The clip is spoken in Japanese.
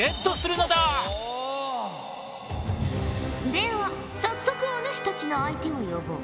では早速お主たちの相手を呼ぼう。